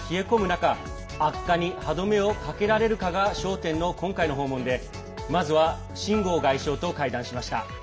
中悪化に歯止めをかけられるかが焦点の今回の訪問でまずは秦剛外相と会談しました。